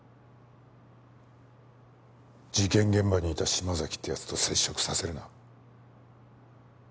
事件現場にいた島崎って奴と接触させるな。